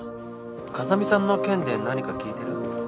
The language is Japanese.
風見さんの件で何か聞いてる？